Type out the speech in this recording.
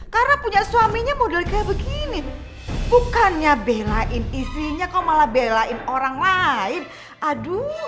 karena punya suaminya model kayak begini bukannya belain istrinya kau malah belain orang lain aduh